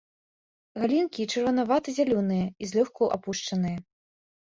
Галінкі чырванавата-зялёныя і злёгку апушчаныя.